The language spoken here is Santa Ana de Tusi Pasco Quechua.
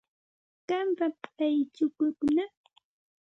Qampam kay chukukuna.